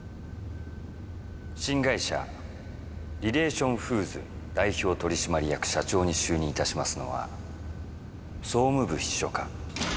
新会社リレーション・フーズ代表取締役社長に就任いたしますのは総務部秘書課。